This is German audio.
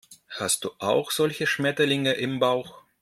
Hast du auch solche Schmetterlinge im Bauch?